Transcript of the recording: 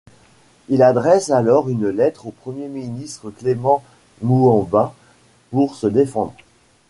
Il adresse alors une lettre au Premier ministre Clément Mouamba pour se défendre.